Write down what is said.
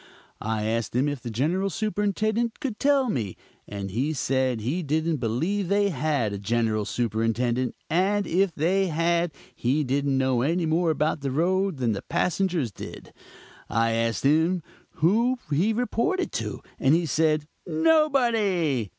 I asked him if the general superintendent could tell me, and he said he didn't believe they had a general superintendent, and if they had, he didn't know any more about the road than the passengers did. I asked him who he reported to, and he said, 'Nobody.'